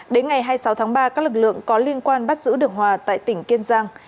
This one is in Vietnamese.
đến ngày hai mươi sáu tháng ba các lực lượng có liên quan bắt giữ được hòa tại tỉnh kiên giang